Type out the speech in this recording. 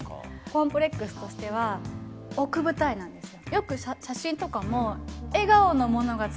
コンプレックスとしては奥二重なんです。